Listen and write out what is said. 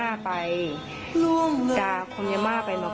อ่ะก็นี่เป็นแรงงานเมียนมากอีกหลายคน